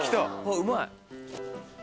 うまい。